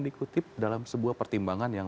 dikutip dalam sebuah pertimbangan yang